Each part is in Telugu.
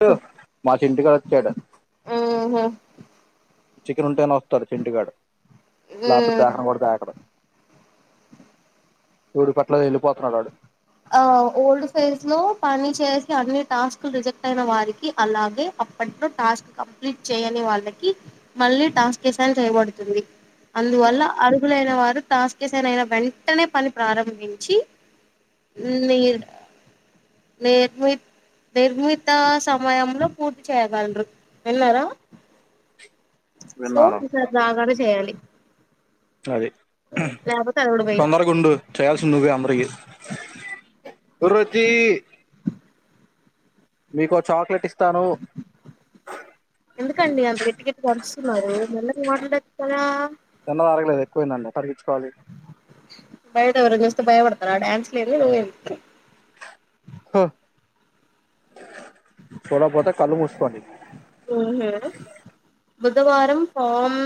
టుమా చింటూ గాడు వచ్చాడు. ఊహు చికెన్ ఉంటేనే వస్తాడు చింటుకాడు ఊ లేపోతే దకన్ కూడా దకడు. చూడు పట్ల ఎళ్ళిపోతున్నాడు వాడు. ఆ ఓల్డ్ ఫేజ్ లో పని చేసి అన్ని టాస్క్లు రిజెక్ట్ అయిన వారికి అలాగే అప్పట్లో టాస్క్ కంప్లీట్ చేయని వాళ్ళకి మళ్ళీ టాస్క్ అసైన్ చేయబడుతుంది. అందువల్ల అర్హులైన వారు టాస్క అసైన్ అయినా వెంటనే పని ప్రారంభించి, నిర్నయం నిర్మి నిర్మిత సమయంలో పూర్తి చేయగలరు. వెళ్న్నారా సో విన్నాను ఇంది బాగానే చేయాలి. అది లేకపోతే అది కూడా పోయిద్ది తొందరగా ఉండు చేయాల్సి నువ్వే అందరికి కురుతి మీకో చాక్లెట్ ఇస్తాను. ఎందుకండి అంత గట్టి గట్టి అరుస్తున్నారు మెల్లగా మాట్లాడోచ్చు కాదా. తిన్నది అరగలేదు ఎక్కువైందండి తరిగించుకోవాలి. బయట ఎవరైనా చూస్తే భయపడతారూ ఆ డాన్స్లు ఏంది నువ్వేంది. హ చూడకపోతే కళ్ళు మూసుకోండి. ఊహూ బుధవారం ఫామ్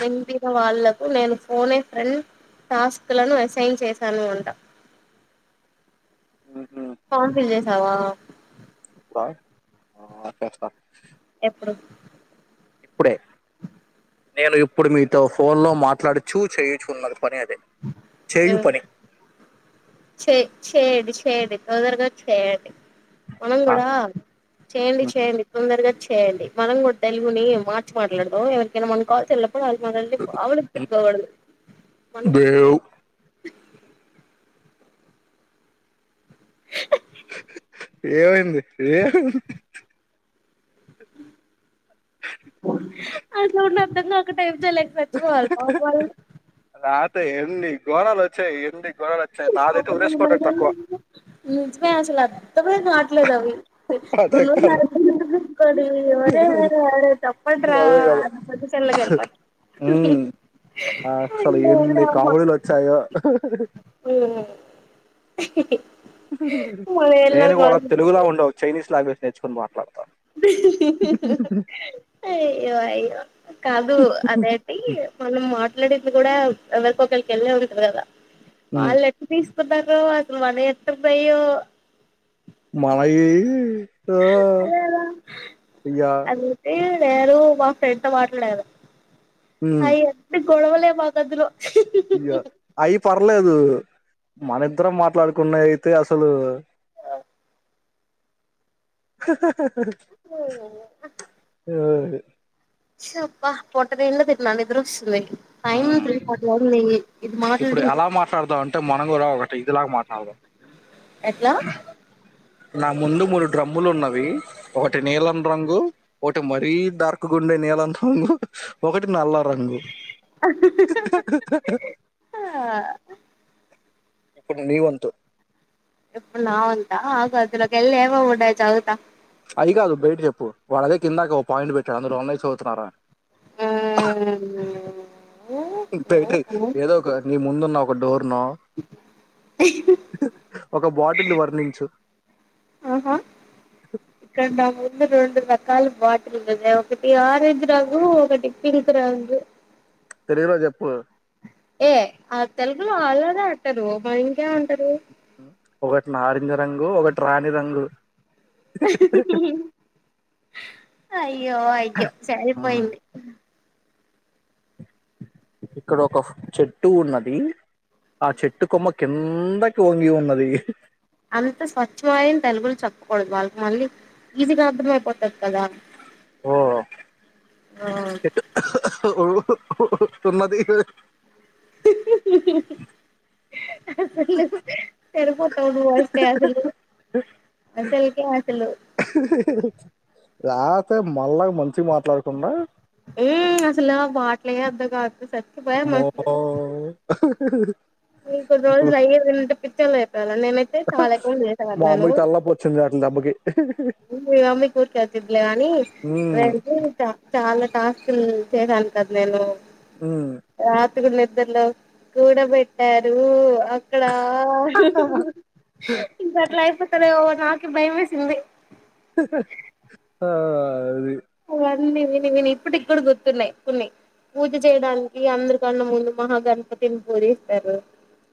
వింపిన వాళ్లకు నేను ఫోనే ఫ్రెండ్ టాస్క్ లను అసైన్ చేశాను అంటా ఫామ్ ఫిల్ చేసావా. [unintelligible] అ పేస్తా ఎప్పుడు ఇప్పుడే నేను ఇప్పుడు మీతో ఫోన్ లో మాట్లాడుచు చెయుచున్న పని అదే చేయు మ్మ్ పని చే చేయండి చేయండి తొందరగా చేయండి మనం ఆ, కూడా చేయండి చేయండి తొందరగా చె చేయండి మనం కూడా తెలుగుని మార్చి మాట్లాడదాం ఎవరికైనా మనం కాల్స్ చ వాళ్లు మనల్ని మామూలుగా తిట్టుకోకూడదు. దేవ్ ఏమైంది ఏమైంది. అటు టల్‌ఒక టెఅద చచ్చిపోవాలి. టు ట ల్‌ నాతో ఎన్ని ఘోరాలు వచ్చాయి ఎన్ని గోనాలు వచ్చాయి నాదైతే ఉరేసుకోవడం తక్కువ నిజమె అసలు అత్త కూడా నాట్లేదవి అదే కాదు నరకు గుిట్ బిట్కోడి వరేర అరే తప్పండ్ర అ చెెల్ తెల్ప హమ్ అసలు ఎన్ని కామెడీలు వచ్చాయో ఉ నేను కూడా తెలుగులో ఉండవు చైనీస్ లాంగ్వేజ్ నేర్చుకొని మాట్లాడ వ త అయ్యో అయ్యో కాదు అదేటి మనం మాట్ వెళ్ళనీకీ కూడా ఎవెరికొకరికి వెళ్ళే ఉంటారు కదా ఉమ్, వాళ్ళు ఎటు దీస్ కొందరు అంతే మన ఎంత బయో మాయి ఓ అదే ఇగ లేరు మా ఫ్రెండ్ తో మాట్లాడారు ఉమ్, అయన్ని గొడవలే మా గదిలో ఇగ అయి పర్లేదు మన ఇద్దరం మాట్లాడుకున్నయి అయితే అసలు స స స స ఓ ఒయ్ అబ్బ పొట్ట నిండా తిన్నా నిద్దరస్తుంది ఊ ఇది ఇప్పుడు మాట్లాడి ఎలా మాట్లాడతావ్ అంటే మనం కూడా ఒకటి ఇదిలాగా మాట్లాడ్ అవ ఎట్లా నా ముందు మూడు డ్రమ్ములు ఉన్నవి ఒకటి నీలం రంగు ఒకటి మరీ దార్క్ గుండె నీళ్లం రంగు ఒకటి నల్ల రంగు ఇప్పుడు నీవంతు ఇప్పుడు నావంతా ఆ గది లోకి వెళ్లి ఏమేం ఉన్నాయో చదువుతా అది కాదు బయట చెప్పు వాడదే కిందాక ఓ పాయింట్ పెట్టాడు అందలో ఉన్నయ్ చదువుతరా ఊ ఇపుడు ఐతే ఏదో ఒక నీ ముందున్నా ఒక డోర్ నో ఒక బాటిల్ ని వర్ణించు ఆహా ఇక్కడ నా ముందు రెండు రకాల బాటిల్ ఉన్నదే ఒకటి ఆరేంజ్ రంగు ఒకటి పింక్ రంగు హీరో చెప్పు ఏ ఆ తెలగులు అల్ల నే అంటరు మరి ఇంకేం అంటారు ఒకటి నారింజ రంగు ఒకటి రాణి రంగు అయ్యో అయ్యో సరిపోయింది ఇక్కడ ఒక చెట్టు ఉన్నది ఆ చెట్టు కొమ్మ కిందకి వంగి ఉన్నది అంత స్వచ్ఛమయిన తెలుగులు చెప్పకూడదు వాళ్ళకి మళ్ళీ ఈజీగా అర్థమైయిపోతది కదా ఓ చెట్టు ఓ తున్నది అసలు నువు సరిపోదు టౌను వాయిస్ కె అసలు అసల్ కె అసలు రాతే మన్ లాగా మంచి మాట్లాడుకుండ ఊ అసలు ఆమ మాటలే అర్థం కావు అసలు అమ్మో ఇంకొద్ది రోజులు అయ్యేది ఉంటే పిచ్చే లేతది నేనైతే చాలా ఎక్కువలు చేసేవాన్నాను చం దాకిన డబ్బు మీ మమ్మీకి ఊర్కె వచ్చిది లే గని ఉమ్, వేరేది ఇంకా చాలా టాస్క్లు చేయడానికి కదా నేను ఊ టుగుడ్ నిద్రలో కూడబెట్టారు అక్కడా ఇప్పట్ల ఐపోద్ తనే ఓ నాకి భయం వేసింది ఆహా ఆ ఆ ఆది అవన్నీ విని విని ఇప్పటికీ కూడా గుర్తున్నాయి కొన్ని పూజ చేయడానికి అందరికన్నా ముందు మహాగణపతిని పూజిస్తారు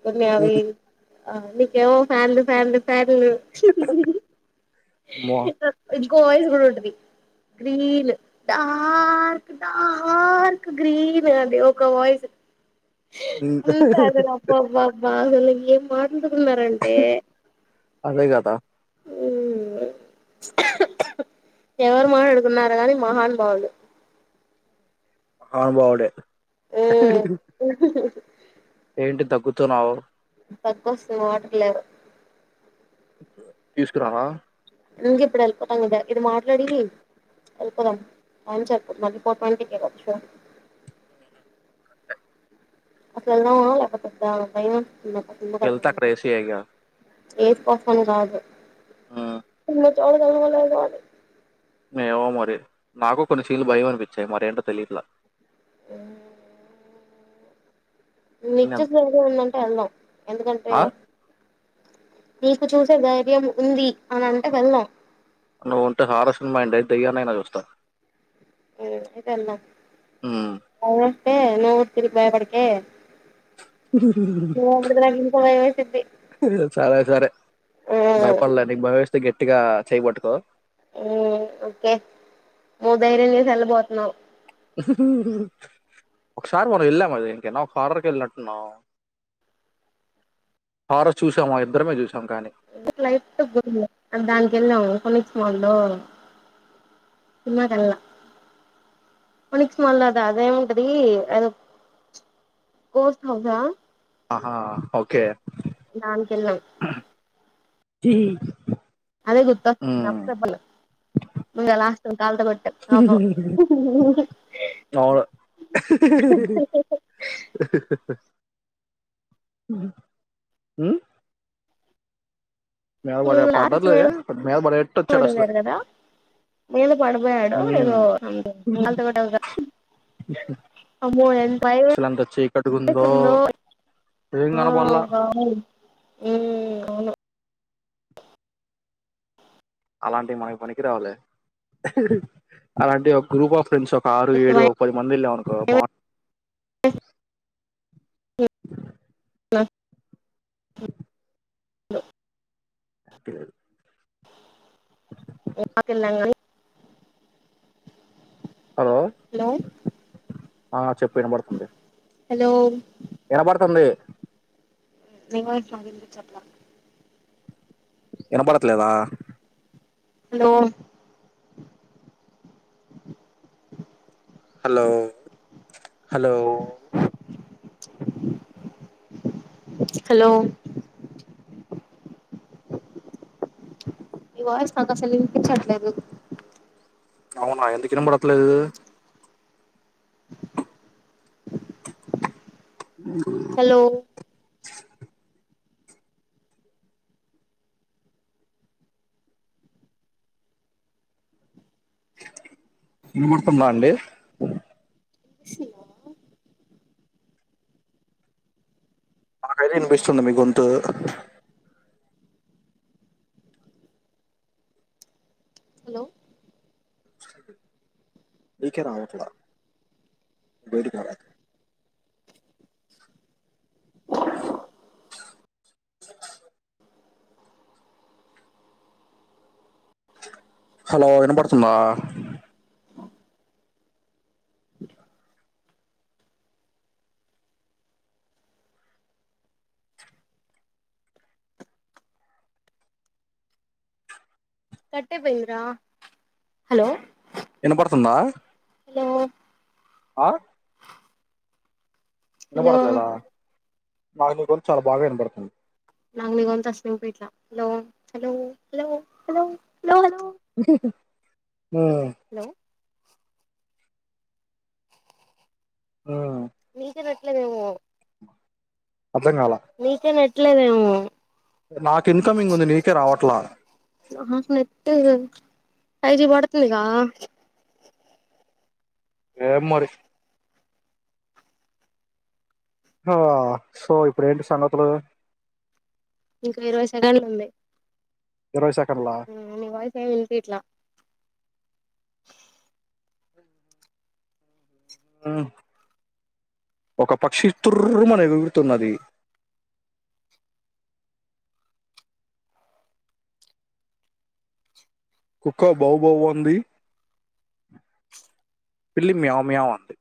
కొన్ని అవి ఉమ్, ఆ నీకి ఏమి అవుతాయి ఫ్యాన్లు ఫ్యాన్లు అమ్మో. ఇంకో వాయిస్ కూడా ఉంటది గ్రీన్ దార్క్ దార్క్ గ్రీన్ అదే ఒక వాయిస్ ఉమ్. ఉంతా అదే అబ్బా అబ్బా అబ్బ అసల్ ఎం మన్ ఎందుకున్నారంటే అదే కదా ఉ ఎవరు మాట్లాడుతున్నారు కానీ మహానుభావులు అవును అవడే ఉమ్ ఏంటి తగ్గుతునావ్ దగ్గు వస్తే మాటలేవు తీసుకున్నావా ఇంకా ఇప్పుడు వెళ్ళి పోతాం కదా ఇది మాట్లాడి వెళ్ళి పోదాం అని చెప్పు మళ్ళీ ఫోర్ ట్వంటీ కే కదా షో అట్లు వెళ్దామా లేకపోతే వద్ద బయ్ ఎల్థా క్రైసి ఏగా ఏది ఫోఫర్మ్ కాదు ఉమ్, ఉన్నా చోడ [unintelligible] కాదు ఏమో మరి నాకు కొన్ని సీన్లు భయం అనిపించాయి మరి ఏంటో తెలియట్ల ఎన్ [unintelligible] ఏంది అంత- ఉండుంటే వేళ్దాం ఎందుకంటే ఆ? నీకు చూసే ధైర్యం ఉంది అని అంటే వెళ్దాం నువ్వు ఉంటే హారస్ సినిమా ఏందే దెయ్యాన్ని అయినా చూస్తా ఆ అయితే వెళ్దాం ఉమ్. అవును అంటే నువ్వు [unintelligible] భయపడకే [unintelligible] సరే సరే ఆ భయపడలే నీకు భయం వేస్తే గట్టిగా చేయి బట్టుకో ఊ ఓకే నువ్వు దర్యం చేసి వెళ్ళబోతున్నావు ఒక్కసారి మనం వెళ్ళామా దేనికి అయినా ఒక్క హారర్ కి వెళ్ళి నట్టు ఉన్నాం హారర్ చూసామా ఇద్దరమే చూస్ [unintelligible] దానికి వెళ్ళాం ఫోనిక్స్ మాల్ లో సినిమా కి ఎల్లా ఫోనిక్స్ మాల్లో అదా అది ఏమి ఉంటది అదో ఘోస్ట్ [unintelligible] ఆహా ఓకే దానికి వెళ్ళాం హి హి అదే గుత్తా నాప్ పేపర్ లో ఇంకా లాస్ డాల్డా కోటా అబ్బో ఉహు అవును ఉ ఎవాడు లాస్ట్ పడ్డాడులే మేడం మీద పడే టట్లు వచ్చాడు అసలు మీదా పడిపోయాడు ఏదో ఉమ్, [unintelligible] రక్షా అమ్మో ఎన్ భయం అసలు ఎంత చీకటిగా ఉందో వేసిందో ఏం కనబడలా అవును అలాంటి మనకి పనికి రావులే అలాంటి ఒక గ్రూప్ ఆఫ్ ఫ్రెండ్స్ ఆరు ఏడు ఓ పది మంది వెళ్ళామనుకో [unintelligible] అ [unintelligible] హలో [unintelligible] [unintelligible] హలో హలో ఆ చెప్పు వినబడుతుంది హల్లో వినబడుతుంది [unintelligible] ఇనబడట్లేద హలో హలో హలో హలో మీ వయిస్ నాకసలు విన్పించట్లేదు అవునా ఎందుకు వినబడట్లేదు [unintelligible] హలో హు ముహూర్తం బంది మాకైతే వినిపిస్తుంది మీ గొంతు హలో మీకే రావట్లే బయటికి ర ఆ [unintelligible] హలో వినబడుతుందా [unintelligible] హలో వినపడుతుందా హలో ఆ హలో వినబడట్లేద నాకు నీ గొంతు చాలా బాగా వినబడుతుంది నాకు నీ గొంతు అసలు వినిపియట్లే hello hello hello hello hello hello ఆ హలో ఆ మీకీ వినట్లేదేమో అర్థం కాల ట్లేదేమో ఇన్కమింగ్ ఉంది నీకే రావట్లా నా నేటు ఫైవ్ జీ పడుతుందిగా ఏమో మరి ఆ సో ఇప్పుడు ఏంటి సంగతులు ఇంకా ఇరవై సెకండ్లు ఉంది ఇరవై సెకండ్లా అ నీ వాయిస్ ఏమి వినిపియట్లే ఆ ఒక పక్షి తుర్రుమనీ ఏగురుతున్నది కుక్క బౌవ్ బౌవ్ అంది పిల్లి మ్యావ్ మ్యావ్ అంది